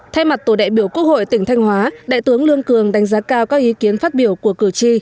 thay mặt tổ đại biểu quốc hội tỉnh thanh hóa đại tướng lương cường đánh giá cao các ý kiến phát biểu của cử tri